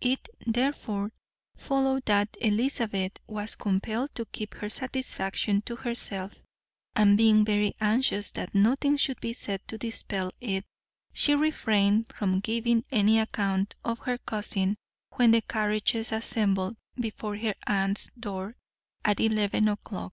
It therefore followed that Elizabeth was compelled to keep her satisfaction to herself, and being very anxious that nothing should be said to dispel it, she refrained from giving any account of her cousin when the carriages assembled before her aunt's door at eleven o'clock.